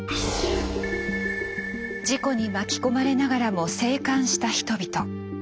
事故に巻き込まれながらも生還した人々。